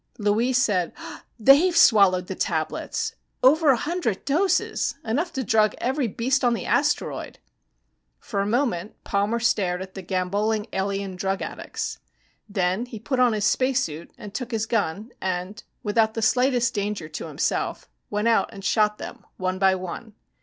Louise said, "They've swallowed the tablets! Over a hundred doses enough to drug every beast on the asteroid!" For a moment Palmer stared at the gamboling alien drug addicts. Then he put on his spacesuit and took his gun, and, without the slightest danger to himself, went out and shot them one by one.